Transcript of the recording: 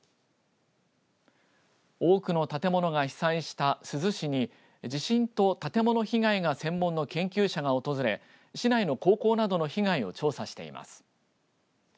多くの建物が被災した珠洲市に地震と建物被害が専門の研究者が訪れ市内の高校などの被害を調査しています。